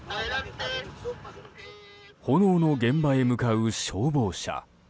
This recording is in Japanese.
炎の現場へ向かう消防車。